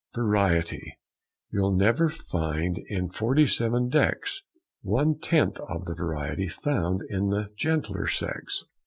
"Variety! You'll never find in forty seven decks One tenth of the variety found in the gentler sex.